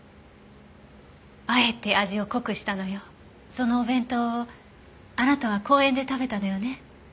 そのお弁当をあなたは公園で食べたのよね？